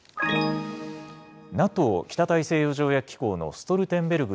ＮＡＴＯ・北大西洋条約機構のストルテンベルグ